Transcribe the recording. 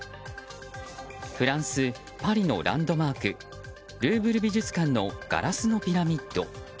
フランス・パリのランドマークルーブル美術館のガラスのピラミッド。